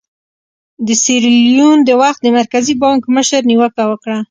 د سیریلیون د وخت د مرکزي بانک مشر نیوکه وکړه.